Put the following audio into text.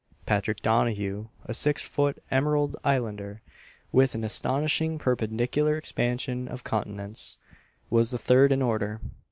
Patrick Donaghue, a six foot Emerald Islander, with an astonishing perpendicular expansion of countenance, was the third in order.